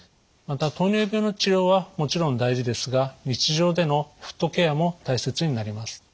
また糖尿病の治療はもちろん大事ですが日常でのフットケアも大切になります。